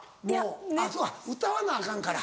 あっそうか歌わなアカンから。